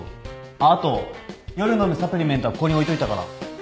あっあと夜飲むサプリメントはここに置いといたから。